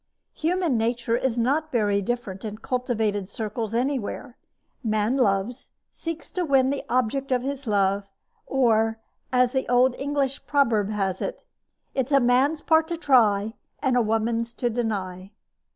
Human nature is not very different in cultivated circles anywhere. Man loves, and seeks to win the object of his love; or, as the old English proverb has it: It's a man's part to try, And a woman's to deny.